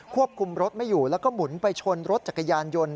ควบคุมรถไม่อยู่แล้วก็หมุนไปชนรถจักรยานยนต์